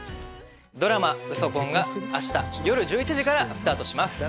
ドラマ「ウソ婚」があした夜１１時からスタートします。